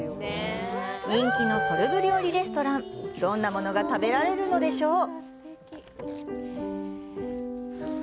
人気のソルブ料理レストランどんなものが食べられるのでしょう。